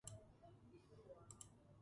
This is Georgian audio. სამხრეთი სარკმელი ნაოთხალია.